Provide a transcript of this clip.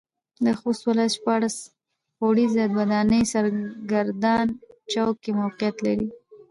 د خوست ولايت شپاړس پوړيزه وداني سرګردان چوک کې موقعيت لري.